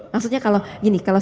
maksudnya kalau gini kalau